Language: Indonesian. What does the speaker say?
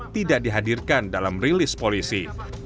tidak dihadirkan dalam rilis polisi